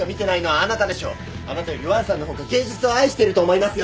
あなたより王さんの方が芸術を愛してると思いますよ！